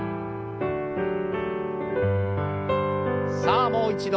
さあもう一度。